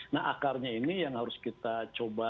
nah akarnya ini yang harus kita coba